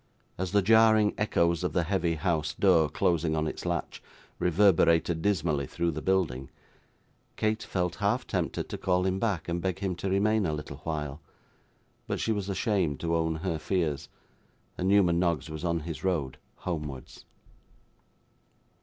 As the jarring echoes of the heavy house door, closing on its latch, reverberated dismally through the building, Kate felt half tempted to call him back, and beg him to remain a little while; but she was ashamed to own her fears, and Newman Noggs was on his road homewards.